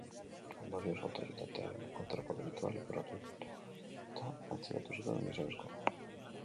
Ondorioz, autoritatearen kontrako delitua leporatuta atxilotu zuten gizonezkoa.